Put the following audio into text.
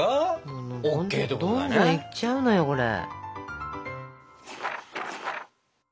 どんどんいっちゃうのよこれ。